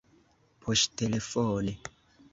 poŝtelefone